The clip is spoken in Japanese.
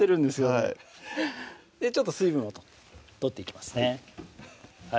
はいちょっと水分を取っていきますね